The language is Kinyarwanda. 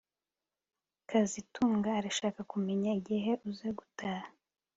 kazitunga arashaka kumenya igihe uza gutaha